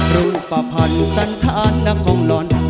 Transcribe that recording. รูปภัณฑ์สันธารนักของลน